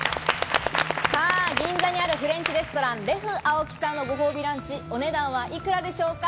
銀座にあるフレンチレストラン、レフアオキさんのご褒美ランチお値段は幾らでしょうか？